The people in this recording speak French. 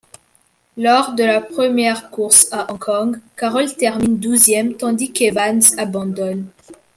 Lors de la première course à Hong Kong, Carroll termine douzième tandis qu'Evans abandonne.